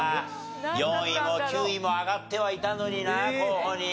４位も９位も挙がってはいたのにな候補に。